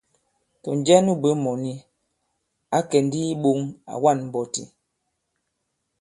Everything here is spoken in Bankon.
Tɔ̀ njɛ nu bwě mɔ̀ni, ǎ kɛ̀ ndi i iɓōŋ, à wa᷇n mbɔti.